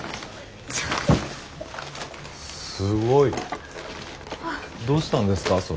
すごい！どうしたんですか？